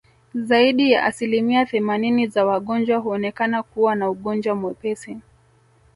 Zaidi ya asilimia themanini za wagonjwa huonekana kuwa na ugonjwa mwepesi